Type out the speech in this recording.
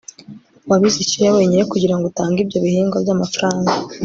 wabize icyuya wenyine kugirango utange ibyo bihingwa byamafaranga